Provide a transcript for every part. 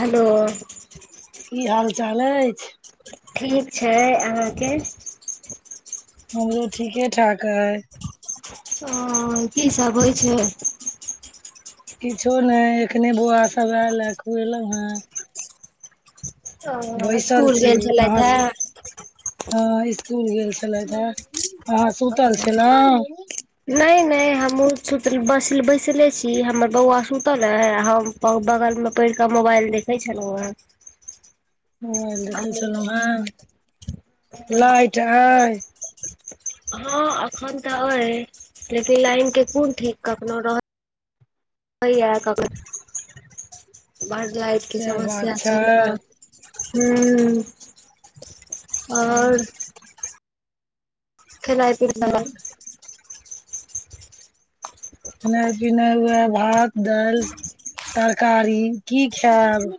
Hello की हाल चाल अछि? ठीक छै। अहाँके? हमरो ठीके ठाक ऐ। ओ की सब होइ छै? किछो ने एखने बौआ सब आयल ह खुएलहु हे। ओ बैसल स्कुल छी। गेल छलथि अहाँसँ? हँ इसकुल गेल छलेथ हे आहाँ सुतल हे छलहु [unintelligible] नहि नहि हमहुँ सुतलै बैसल बैसले छी हमर बौआ सुतल ऐ हम बगल मे पैर कऽ मोबाइल देखे छलहुं ह। मोबाइल देखे छलहुं हे लाइट अई। हँ अखन तऽ अ लेकिन लाइन के कोन ठीक कखनो रह रहैए कखन [unintelligible] बड लाइट के सएह बात समस्या छै न ह्म्म्म [unintelligible] आओर? और खेनैइ की [unintelligible] सब र खेनाइ पिनाइ वहएए भात दालि तरकारी की खायब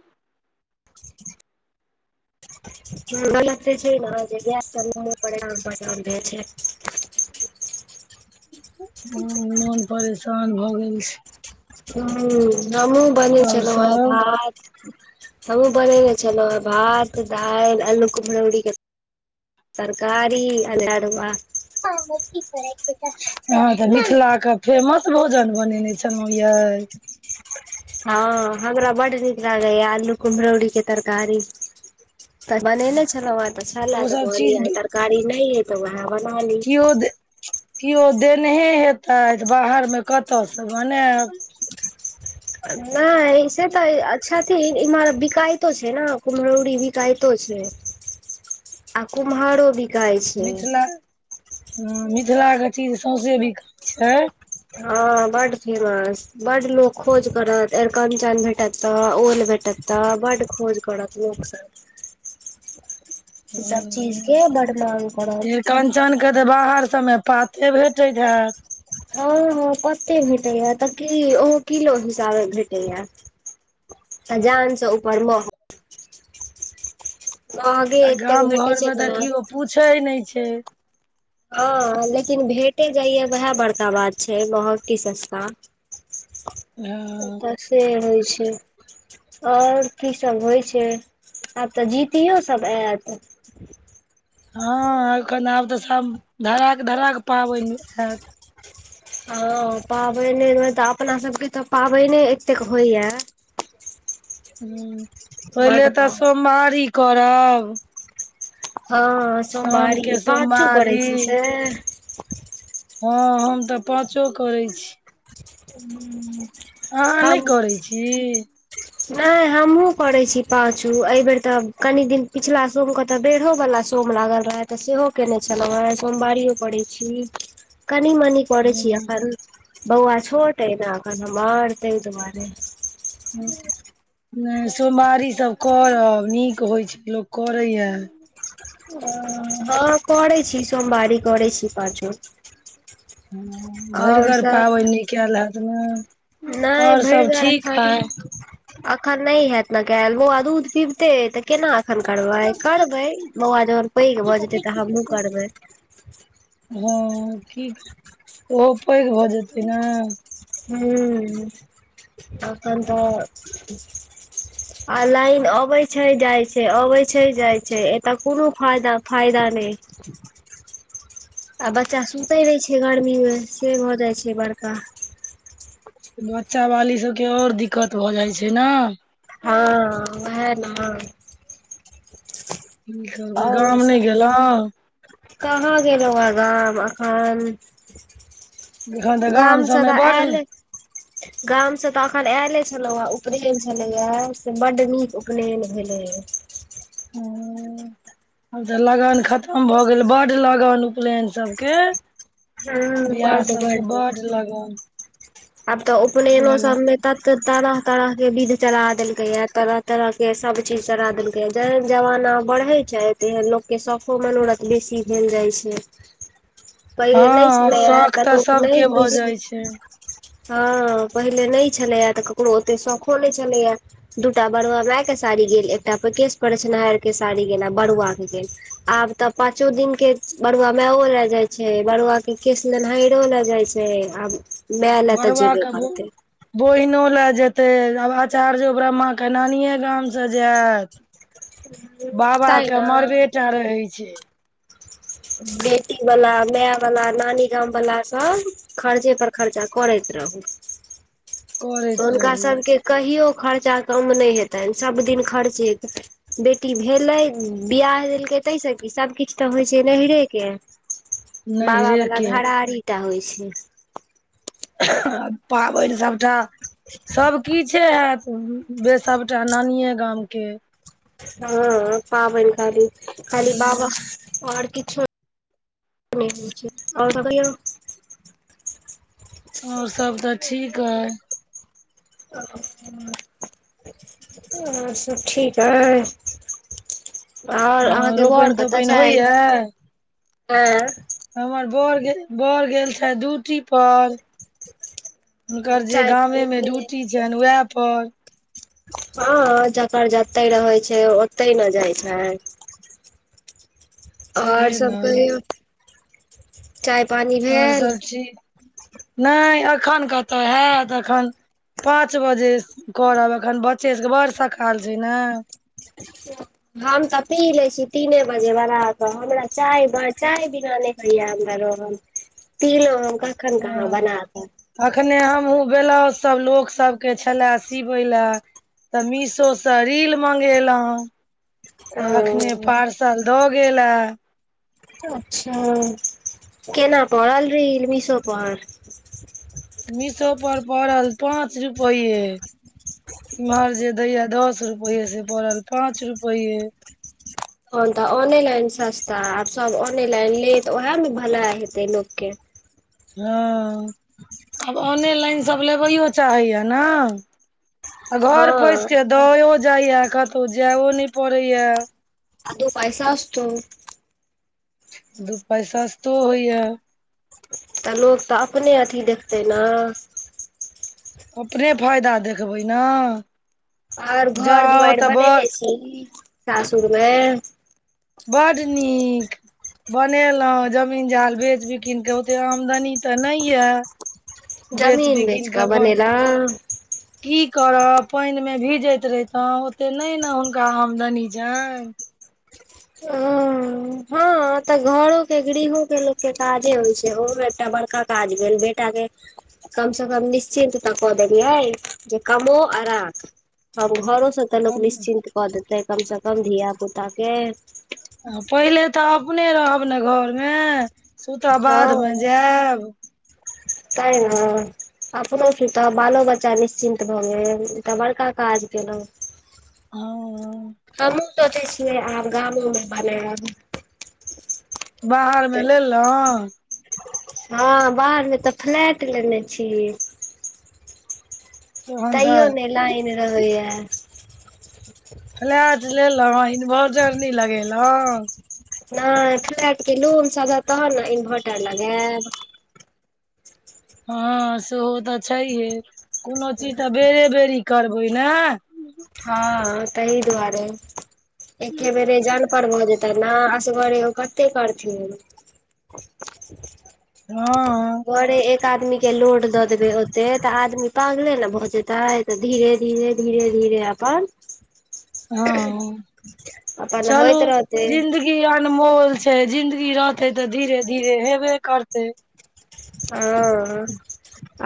लग्त छै ने जे ग्य त रू पे आमाम रहे छै। मोन परेशान भऽ गेल छै। ह हमू बने और छललो ह सब भात हमहुूँ बनेने छलहुँ ह भात दालि आलू को भरौरी के तरकारी अल आडबा [unintelligible] हँ तऽ मिथिलाके फेमस भोजन बनेने छलहुँ यए हँ हमरा बड्ड नीक लागैया आलू कुम्हरौरी के तरकारी तऽ मने नहि छल ने तऽ छलला ओ त सब भल चीज तरकारी नहि तऽह वहे बना ली केओ दे केओ देनेहे हेतथि बाहरमे कतयसँ बनायब नहि ईऐ से तऽ‌ आज सा इरा बिकायत छै ने कुमरौरीी बिकायतो छै। आ कुमहो भी मिथिला ह मिथिलाके चीज सौंँसे बिका छै। हँ बड फेमस बड्ड लोक खोज करत अर कंचन भेटेतह ओल भेटेतह बड्ड खोज करत लोकसभ [inaudible] [unintelligible] बड मांग य करत कहन जनके तऽ बाहर सभमे पाते भेटैत हत हँ हँ कते भेटैया तऽ की ओहो किलो हिसाबे भेटैया। तजान छ ऊपरमे। ठीक छै छै। आ एतेक गाम भेटै घर छै मे ने देखियओ पूछे नहि छै। हँ लेकिन भेटे जाइया वएह बड़का बात छै बहुत की सस्ता [unintelligible] ह तऽ से होय छै। और की सब होय छै, आब तऽ जीतियो सब ऐत। हां एखन आब तऽ सब धराक-धराक पाबैन ऐत हां पाबैने मे तऽ अपना सबके तै पाबैने एतेक होय यै हुं पहिले बड तै सोमबारी करब हां साउन सोमबारी के पाचो करय सोमवारी छी से हां हम तै पाँचो करय छी। हूं। अहाँ नै करय छी? नै हम्हु करय छी पाचु एबेर तै आब कनि दिन पिछला सोम के तै बेढ़ो बला सोम लागल रहे तऽ सेहो केने छलौ ए सोमवारियो करय छी। कनी-मनी करय छी एखन बौआ छोट ऐ नै एखन हमर तै दुआरे उ नै सोमबारी सब करब नीक होय छै, लोक करय यै। अ हां करय छी सोमवारी करय छी पाँचो। हां भैर आओर घर सब पाबनि कैल हेत नै? नहि और भरि सब गार ठीक एखन हय? अखन नै हैत नै कैल, बौआ दूध पीबते ऐ तऽ केना एखन करबै, करबै बौआ जहन पैग भऽ जेतय त हम्हुं करबै। हां की उहो पैग भऽ जेतै नै हुं एखन तऽ आ लाइन अबै छै, जाय छै, अबै छै, जाय छै, एता कुनु फायदा फायदा नै आ बच्चा सुते नै छै गर्मी मे से भऽ जाए छै बड़का बच्चा बाली सबके और दिक्कत भऽ जाए छै नै हां वहै नै हां। की करबै आओर गाम नै सब गेलौ कहाँ गेलौ यै गाम एखन एखन तै गाम सबमे बड़ आयल गाम से तै अखन ऐलै छलौ ऐ, उपनैन छलै यै से बड नीक उपनैन भेलय। हां। आब तै लगन खत्म भऽ गेल बड लगन उपनैन सबके हँ बियाह बड्ड सबके बड्ड लगन आब तै उपनैनो लगन सबमे तत तरह-तरह के विध चला देलके यै, तरह-तरह के सब चीज चला देलकय यै जै जबाना बढ़े छै तहेन लोक के सौखो मनोरथ बेसी भेल जाए छै। पहिले नहि हां छलैया शौख तऽ तै सबके भऽ जाए छै। हां पहिले नै छलै यै तऽ ककरो ओते शौखो नै छलै यै। दूटा बरुवा मायके साड़ी गेल, एकटा पर केश प्रक्षेनहाएर के साड़ी गेल आ बरुवा के गेल। आब तै पाचो दिन के बरुवा माएओ लै जाय छै, बरुवा के केस लेनहाएरो लै जाय छै। से आब माय लए तऽ बरुवा जेबे कै भु करतै बहिनो लै जेतै आब आचार्यों, ब्रह्मा के नानीये गाम से जाएत बाबा तै के ने मरबै टा रहै छै। बेटी बला, माए बला, नानी गाम बला सब खर्चे पर खर्चा करैत रहू। करैत हुनका रहू सभके कहियो ख़र्चा कम नहि हेतनि सभ दिन खर्च हेतनि। बेटी भेलै बिियैह देलकै ताहिसँ की सभकिछ तऽ होइ छै नैयहरे के- - बाबा नैहरे वला के घरारी टा होइ छै। पाबेन सभटा सभकिछे है। गे सबटा नानिये गाम के- - हँ, पाबनि काली खाली बाबा और किछो- - [inaudible] औरपकरीयो- - ओर सब तऽ ठीक अई। और सभ ठीक अई- - ओर हँ अहाँके बड़ रोपनि कतऽ तोपनि होइया छैथ ऐ। हमर बड़ गेल बड़ गेल छैथ ड्यूटी पर, - - हुनकर जे चाय पानी गामेमे भेल ड्यूटी छैन उएहेपर- - हँ जकर जते रहै छै, ओतहि न जाइ छै,। ओर छैहे सब ने कहियौ। चाय, पानी। आर भेल सभ ठीक, नेई एखन कतय हैत एखन- - पाँच बजे करब एखन बच्चे सभके बड़ सकाल छै ने हम तऽ पी लै छी तीने बजे बनााकऽ हमरा चाय बड़- - चाय बीना नेई होईया हमरा रहल पिनो हम क - - ह अखने हमहुँ ब्लाउज सब लोक सब के छले सिेबै- - लेय त मीशो स रील मंगेलौ अखने ओ पार्सल - - तल द गेले। अच्छा केना परल रील मिशु पर- - मीशोपर पड़ल पाँच रुपैेये- - इम्हर जे दैया दस रुपैये से पड़ल पाँच रुपैये। तहन तऽ ऑनेलाइन सस्ता आ सब ऑनेलाइन ले तऽ ओएह मे भला हेतै लोकके- - हँ आब ऑनेलाइनसभ लेबैयो चाहैएा न। आ हँ घर पैस के दो जाइया कतहु जाययो नेई पड़ैया। अ दो पाई सतौ- - दू पैय सस्तो होइया। तऽ लोक तऽ अपने अथी देखते न। अपने फायदा देखबै न। और घर दुआईर बननेे छी सासुरमे- - बड नीक- - बनेलहुँ जमीन जाल बेच बिकिन कऽ ओते आमदनी तऽ नेई यए- - जमीन बेच का बनैलै। कि करब पेईनमे भीजैत रहितहुँ ओते नेई न हुनका आमदनी छैईन। ओ हँ- - हां तऽ घरो के गृहो के लोकके काजे होइ छै हां एकटा बड़का काज भेल बेटा के- - कम से कम निश्चिन्त तऽ कऽ देलियै जे कमो आ राख अब घरो स- - तहेन त लोक कम निश्चिन्त कऽ देतै कम से कम धिय पुता के- - पहिले तऽ अपने रहब ने घरमे सु तऽ हँ बादमे जैब। सेय न- - अपनो सु त बालो बच्चा निश्चिन्त भऽ गेल एकटा बड़का काज केलहुँ। ह - - हमहूँ सोचै छियै आब गामोमे बनेैब। बाहर मे लेलहुँ। हँ बाहरमे तऽ फ्लैट लेने छी। तहन तैयो तऽ नहि लाईन रहैय। फ्लाइट लेलहु इन्भर्टर नहि लगेलहु। नहि फ़्लाइट लोन सधत तहन ने इन्भर्टर लगायब। हँ सेहो तऽ छैहे कोनो चीज तऽ बेरे बेरी करबै ने हँ तहि दुआरे एके बेरे जान जान पर भी जैतैन ने असगरे ओ कते करथिन। हँ बरे एक आदमी के लोड दऽ देबै ओते तऽ आदमी पागले ने भऽ जेतै तऽ धीरे-धीरे-धीरे- धीरे अपन हँ अपन चलू होइत रहतै जिन्दगी अनमोल छैय जिंन्दगी रहते तऽ धीरे धीरे हेबे करते। हँ।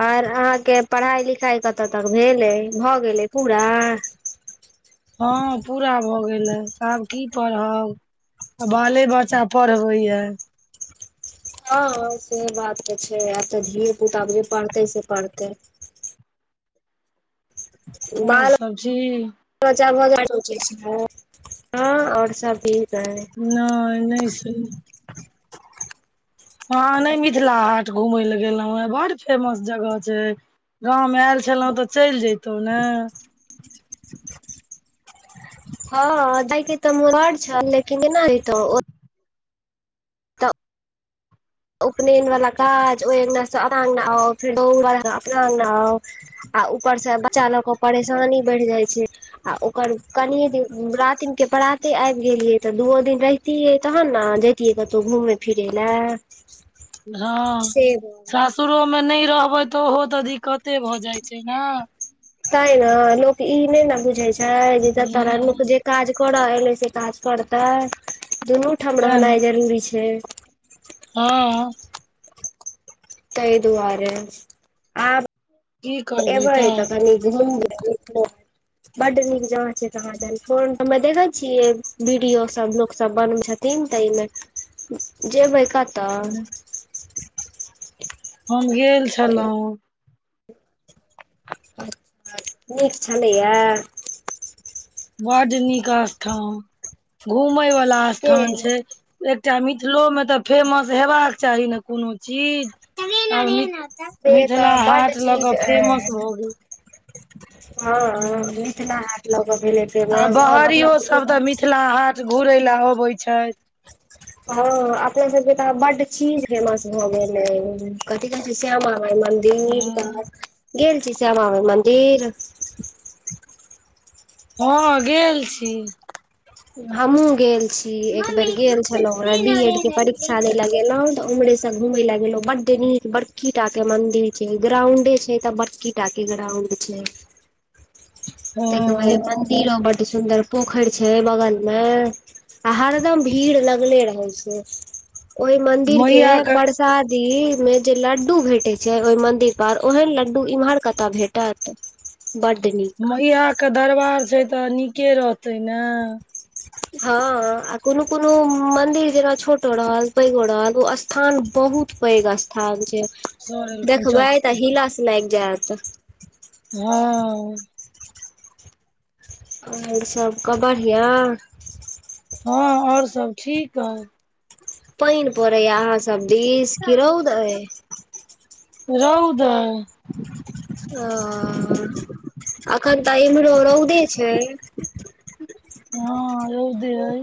आर अहाँके पढ़ाई लिखाई कतय तक भेलै ये भऽ गेलै पूरा। हँ पूरा भऽ गेल हए आब की पढ़ब। बाले बच्चा पढ़बै यए। हँ सेह बात तऽ छैय आब तऽ धिय पुता जे पढ़तै से पढ़तै। आओर बाल सब ठीक। बच्चा भऽ जा ह आओर सब ठीक अइछ। नहि-नहि सुन अहां नहि मिथिला हाट घूमेय ले गेलों हे बड़ फेमस जगह छैय गाम आयल छलहुँ तऽ चलि जैतहु ने। हँ जैके तऽ मोन बड छल लेकिन केनिऐंतौ। उपनयन वालला काज ओहि अङगसँ अप आउ फेर ओय अ‌‌ड़गना अपनान आउ। आ ऊपर से बच्चा लऽ कऽ परेशानी बढ़ि जाइ छैय। आ ओकर कनए दिन रातिम के पराते आबि गेलियै तऽ दूओ दिन रहि तये तहन ने जतिये कते घुमै फिरे लै। हँ सासुरोमे नहि रहबै तऽ ओहो तऽ दिक्कते भऽ जाइत छैय ने। तै ने लोक ई नहि ने बुझै छैय जे तोरा ह लोक जे काज करऽ एल से काज करते दुनू ठाम तें रहनाइ जरूरी छैय। हँ। तहि दुआरे आब की करबै एबय तऽ तनि [unintelligible] बड नीक जहाँ छैय तहाँ ज फोन पर मे देखे छियै वीडियो सब लोक सब बन छथ थिन तैमे जेबै कऽ तऽ। हम गेल छलहुँ। नीक छलैया। बड नीक स्थान घुमय वाला के स्थान छैय। एकटा मिथिलोमे तऽ फेमस हेबाक चाही ने कोनो चीज। से मिथिला तऽ बड हाट लऽ चीज कऽ ये फेमस भऽ गेल हँ। ह केना हाट लगऽ भेले। आ बहरियो सभ तऽ मिथिला हाट घुरय लए आवै छथि। हँ अपना सबके तऽ बड चीज फेमस भऽ गेल। कथी कथी कहै छैय श्यामा माइ मन्दिर हँ तऽ गेल छी श्यामाब मन्दिर हँ गेल छी हमहुँ गेल छी एक बेर गेल छलहुँ हे बी एड के परीक्षा लेल गैलो तऽ उम्रे से घूम ल गेलों बड नीक बड़की टा के मंदिर छै ग्राउंडे छै तऽ बड़की टाके ग्राउंड दिखले हँ त ब मंदिरो बड सुंन्दर पोखरि छै बगल मे आ हरदम भीड़ लगले रह छै ओहि मंदिर के पर शादी में जे लड्डू भेटे छै ओहि मंदिर पर ओहेन लड्डू इम्हर कतऽ भेटत बड नीक मैइया के दरबार छै तऽ नीके रहतै ने हँ आ कोनो कोनो मंदिर जेना छोट रहल पैघो रहल ओ स्थान बहुत पैघ स्थान छै सर एलखुन चल देखबै तऽ हिलास से लागि जायत हँ आओर सभके बढ़िआँ हँ आओर सब ठीक हइ पानि पड़ै अहाँ सब दिस की रौद रौद है ओ अखन तऽ इमरो रौदे छै हँ रौदे है